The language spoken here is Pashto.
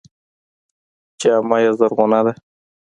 جامه یې زرغونه ده.